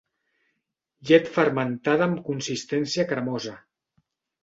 Llet fermentada amb consistència cremosa.